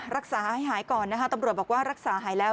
รักษาให้หายก่อนนะคะตำรวจบอกว่ารักษาหายแล้ว